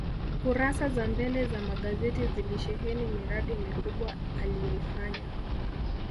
kurasa za mbele za magazeti zilisheheni miradi mikubwa aliyoifanya